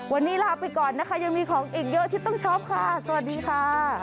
วันนี้ลาไปก่อนนะคะยังมีของอีกเยอะที่ต้องช็อปค่ะสวัสดีค่ะ